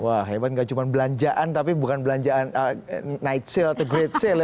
wah hebat nggak cuma belanjaan tapi bukan belanjaan night sale atau great sale ya